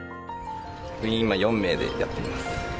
部員今４名でやっています。